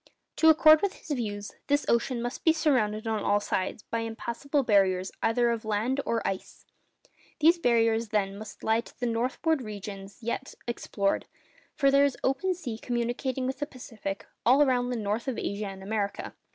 To accord with his views, this ocean must be surrounded on all sides by impassable barriers either of land or ice. These barriers, then, must lie to the northward of the regions yet explored, for there is open sea communicating with the Pacific all round the north of Asia and America.